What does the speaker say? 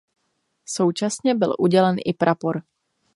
Současně byl udělen i prapor.